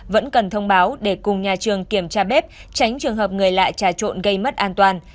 vẫn cần thông báo để cùng nhà trường kiểm tra bếp tránh trường hợp người lạ trà trộn gây mất an toàn